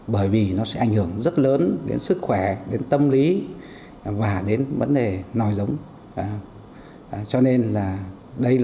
bởi vì nó sẽ ảnh hưởng rất lớn đến sức khỏe đến tâm lý và đến vấn đề nòi giống cho nên là đây là